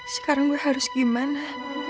sekarang gue harus gimana